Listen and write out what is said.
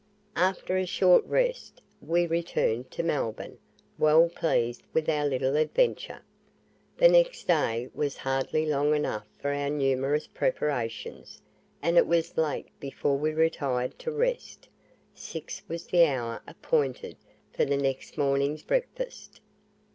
After a short rest, we returned to Melbourne, well pleased with our little adventure. The next day was hardly long enough for our numerous preparations, and it was late before we retired to rest. Six was the hour appointed for the next morning's breakfast.